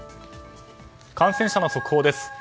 感染者の速報です。